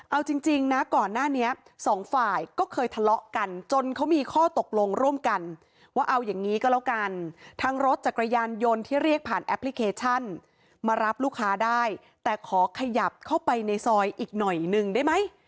เอาจริงนะก่อนหน้านี้สองฝ่ายก็เคยทะเลาะกันจนเขามีข้อตกลงร่วมกันว่าเอาอย่างนี้ก็แล้วกันทั้งรถจักรยานยนต์ที่เรียกผ่านแอปพลิเคชันมารับลูกค้าได้แต่ขอขยับเข้าไปในซอยอีกหน่อยหนึ่งได้ไหม